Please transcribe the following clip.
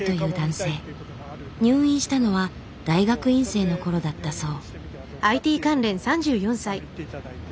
入院したのは大学院生のころだったそう。